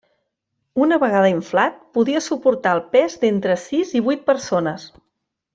Una vegada inflat, podia suportar el pes d'entre sis i vuit persones.